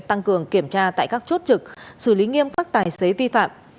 tăng cường kiểm tra tại các chốt trực xử lý nghiêm các tài xế vi phạm